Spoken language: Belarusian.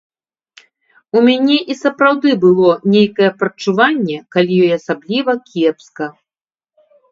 У мяне і сапраўды было нейкае прадчуванне, калі ёй асабліва кепска.